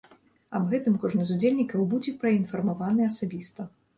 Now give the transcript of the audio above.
Аб гэтым кожны з удзельнікаў будзе паінфармаваны асабіста.